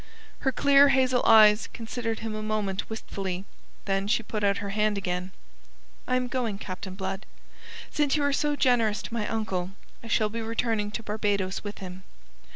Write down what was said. Her clear hazel eyes considered him a moment wistfully. Then she put out her hand again. "I am going, Captain Blood. Since you are so generous to my uncle, I shall be returning to Barbados with him.